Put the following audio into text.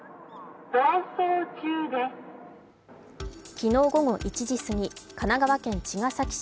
昨日午後１時過ぎ、神奈川県茅ケ崎市